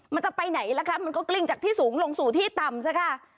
มันจะไปไหนล่ะคะมันก็กลิ้งจากที่สูงลงสู่ที่ต่ำซะค่ะ